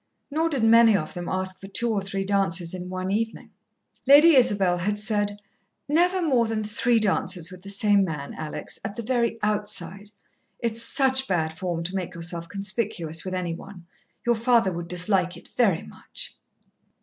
Nor did many of them ask for two or three dances in one evening. Lady Isabel had said, "Never more than three dances with the same man, Alex, at the very outside. It's such bad form to make yourself conspicuous with any one your father would dislike it very much."